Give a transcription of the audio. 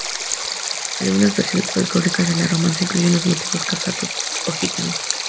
Algunas versiones folklóricas de la romanza incluyen los motivos cosacos o gitanos.